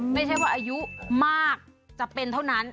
ไม่ใช่ว่าอายุมากจะเป็นเท่านั้น